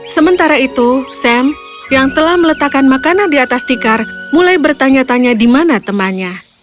sementara itu sam yang telah meletakkan makanan di atas tikar mulai bertanya tanya di mana temannya